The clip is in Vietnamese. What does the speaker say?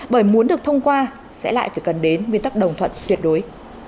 bởi muốn được thông qua sẽ lại phải cần đến quy tắc đồng thuận tuyệt đối